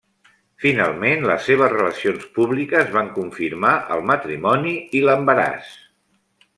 Finalment, les seves relacions públiques van confirmar el matrimoni i l'embaràs.